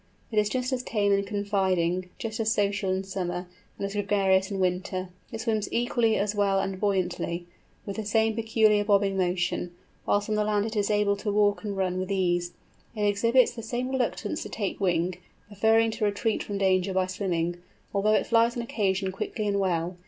It is just as tame and confiding, just as social in summer, and as gregarious in winter. It swims equally as well and buoyantly, with the same peculiar bobbing motion; whilst on the land it is able to run and walk with ease. It exhibits the same reluctance to take wing, preferring to retreat from danger by swimming, although it flies on occasion quickly and well.